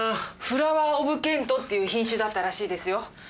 「フラワー・オブ・ケント」っていう品種だったらしいですよ。